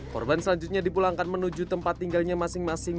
korban selanjutnya dipulangkan menuju tempat tinggalnya masing masing